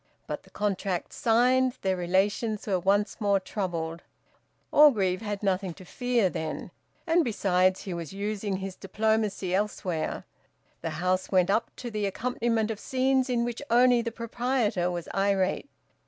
But, the contract signed, their relations were once more troubled. Orgreave had nothing to fear, then, and besides, he was using his diplomacy elsewhere. The house went up to an accompaniment of scenes in which only the proprietor was irate.